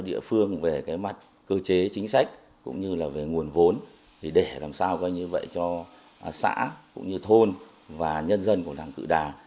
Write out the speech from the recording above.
địa phương về cái mặt cơ chế chính sách cũng như là về nguồn vốn để làm sao như vậy cho xã cũng như thôn và nhân dân của làng tự đà